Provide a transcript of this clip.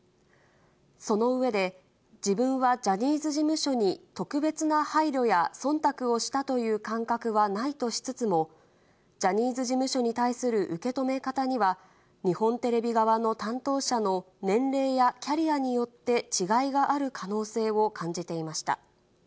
その上で、自分はジャニーズ事務所に特別な配慮やそんたくをしたという感覚はないとしつつも、ジャニーズ事務所に対する受け止め方には、日本テレビ側の担当者の年齢やキャリアによって違いがある可能性を感じていました。